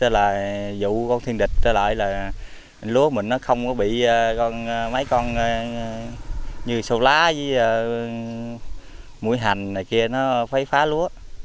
là dụ con thiên địch lại là lúa mình nó không có bị mấy con như sâu lá với mũi hành này kia nó phá lúa